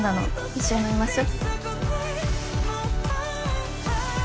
一緒に飲みましょ？